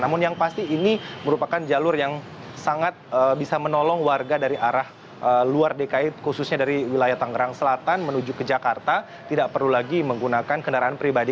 namun yang pasti ini merupakan jalur yang sangat bisa menolong warga dari arah luar dki khususnya dari wilayah tangerang selatan menuju ke jakarta tidak perlu lagi menggunakan kendaraan pribadi